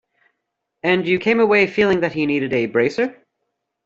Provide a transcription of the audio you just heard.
And you came away feeling that he needed a bracer?